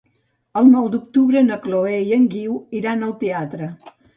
El nou d'octubre na Chloé i en Guiu iran al teatre.